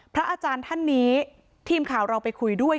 พระอาจารย์ท่านนี้ทีมข่าวเราไปคุยด้วย